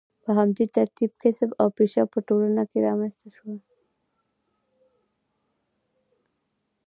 په همدې ترتیب کسب او پیشه په ټولنه کې رامنځته شوه.